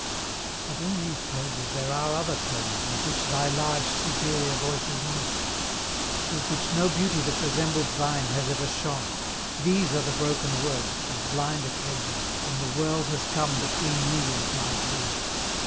But in these pages there are other tones In which thy large, superior voice is not Through which no beauty that resembles thine Has ever shone. These are the broken words Of blind occasions, when the World has come Between me and my Dream.